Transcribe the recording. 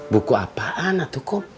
buku apaan atukum